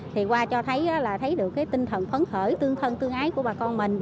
thì qua cho thấy là thấy được cái tinh thần phấn khởi tương thân tương ái của bà con mình